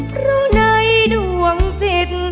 เพราะในดวงจิต